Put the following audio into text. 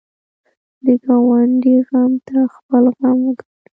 د ګاونډي غم ته خپل غم وګڼه